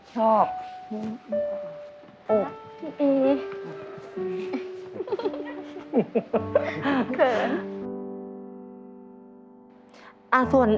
เมอร์